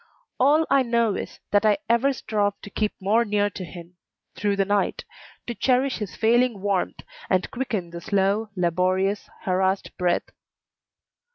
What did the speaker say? All I know is that I ever strove to keep more near to him through the night, to cherish his failing warmth, and quicken the slow, laborious, harassed breath.